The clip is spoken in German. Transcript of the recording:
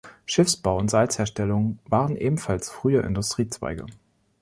Schiffsbau und Salzherstellung waren ebenfalls frühe Industriezweige.